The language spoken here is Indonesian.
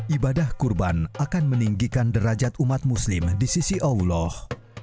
ibadah kurban akan meninggikan derajat umat muslim di sisi allah